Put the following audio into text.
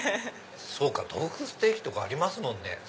豆腐ステーキとかありますもんね